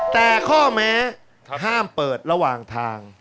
แต่ข้อแม้ห้ามเปิดระหว่างทาง